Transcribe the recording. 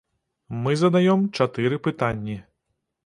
Мы задаём чатыры пытанні.